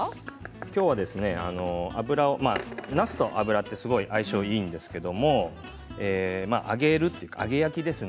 きょうは、なすと油ってすごい相性がいいんですけれども揚げ焼きですね